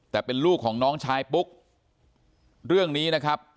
แต่เป็นลูกของน้องชายปุ๊กเรื่องนี้นะครับ